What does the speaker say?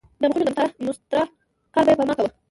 د مخونو د مسطر کار به یې په ما کاوه.